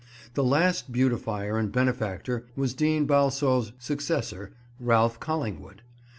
The last beautifier and benefactor was Dean Balsall's successor, Ralph Collingwood.